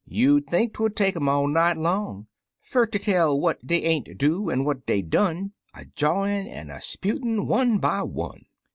You'd think 'twould take um all night long Fer ter tell what dey ain't do, an' what dey done, A jawin' an' 'sputin' one by one.